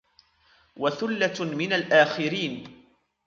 وَثُلَّةٌ مِنَ الْآخِرِينَ